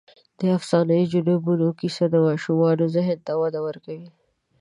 د افسانوي جنونو کیسه د ماشومانو ذهن ته وده ورکوي.